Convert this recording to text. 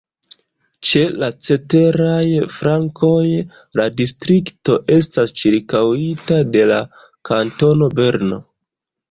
Ĉe la ceteraj flankoj la distrikto estas ĉirkaŭita de la Kantono Berno.